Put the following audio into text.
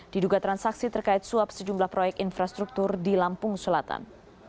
diduga transaksi terkait suap sejumlah proyek infrastruktur di lampung selatan